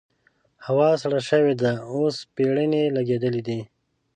هوا سړه شوې ده؛ اوس پېړنی لګېدلی دی.